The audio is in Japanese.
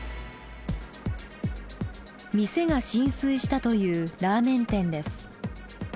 店が浸水したというラーメン店です。